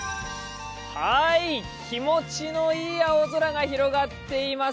気持ちのいい青空が広がっています